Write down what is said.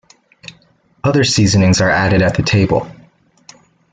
Other seasonings are added at the table.